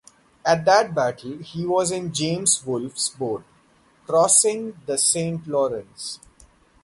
At that battle, he was in James Wolfe's boat crossing the Saint Lawrence.